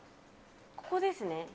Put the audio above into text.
ここですね。